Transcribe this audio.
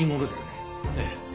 ええ。